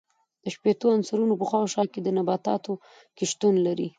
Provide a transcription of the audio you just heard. شپیتو عنصرونو په شاوخوا کې په نباتاتو کې شتون لري.